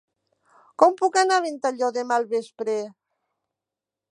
Com puc anar a Ventalló demà al vespre?